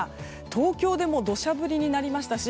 東京でも土砂降りになりましたし